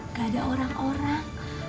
gak ada orang orang